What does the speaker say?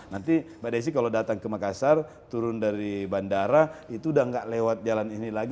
nanti mbak desi kalau datang ke makassar turun dari bandara itu udah nggak lewat jalan ini lagi